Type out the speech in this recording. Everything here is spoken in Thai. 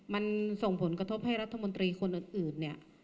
มันส่งผลกระทบให้รัฐมนตรีคนอื่นเนี่ย